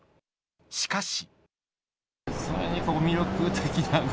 しかし。